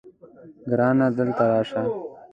ګرانه دلته راشه